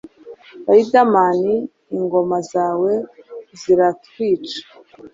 Riderman ingoma zawe ziratwica